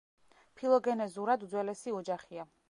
ფილოგენეზურად უძველესი ოჯახია.